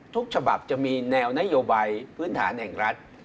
ทุกฉบับจะมีแนวนโยบายพื้นฐานแห่งรัฐ